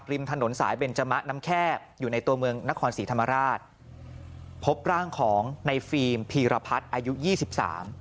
ริมถนนสายเบนจมะน้ำแคบอยู่ในตัวเมืองนครศรีธรรมราชพบร่างของในฟิล์มพีรพัฒน์อายุยี่สิบสาม